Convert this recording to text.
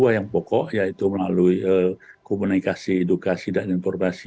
jadi ada dua yang pokok yaitu melalui komunikasi edukasi dan informasi